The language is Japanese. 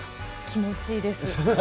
気持ちいいです。